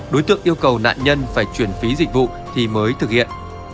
đối tượng yêu cầu nạn nhân phải chuyển phí dịch vụ thì mới thực hiện